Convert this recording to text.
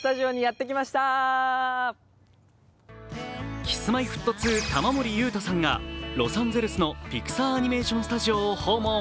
Ｋｉｓ−Ｍｙ−Ｆｔ２・玉森裕太さんがロサンゼルスのピクサー・アニメーション・スタジオを訪問。